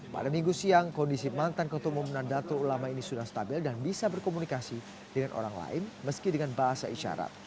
pada minggu siang kondisi mantan ketua umum nandatul ulama ini sudah stabil dan bisa berkomunikasi dengan orang lain meski dengan bahasa isyarat